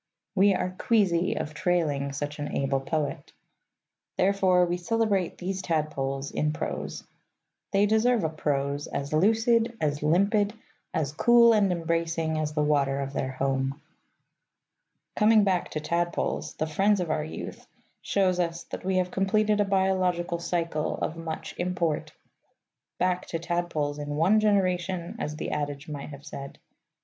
We are queasy of trailing such an able poet. Therefore we celebrate these tadpoles in prose. They deserve a prose as lucid, as limpid, as cool and embracing, as the water of their home. Coming back to tadpoles, the friends of our youth, shows us that we have completed a biological cycle of much import. Back to tadpoles in one generation, as the adage might have said.